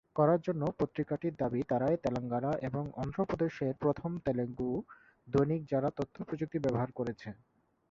করার জন্য পত্রিকাটির দাবি, তারাই তেলেঙ্গানা এবং অন্ধ্র প্রদেশের প্রথম তেলুগু দৈনিক যারা তথ্য প্রযুক্তি ব্যবহার করেছে।